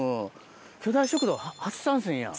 巨大食堂初参戦やん。